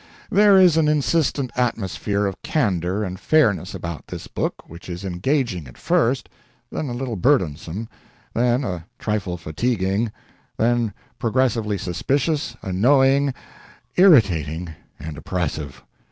There is an insistent atmosphere of candor and fairness about this book which is engaging at first, then a little burdensome, then a trifle fatiguing, then progressively suspicious, annoying, irritating, and oppressive.